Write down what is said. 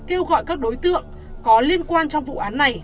kêu gọi các đối tượng có liên quan trong vụ án này